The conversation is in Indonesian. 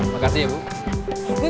makasih ya bu